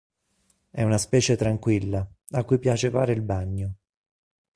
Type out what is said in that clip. È una specie tranquilla, a cui piace fare il bagno.